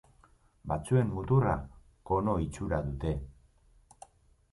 Batzuen muturra kono itxura dute.